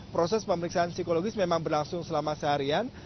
proses pemeriksaan psikologis memang berlangsung selama seharian